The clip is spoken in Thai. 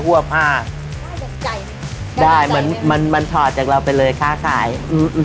หัวพาดได้มันมันมันถอดจากเราไปเลยค่าขายอืมอืม